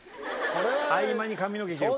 合間に髪の毛切る。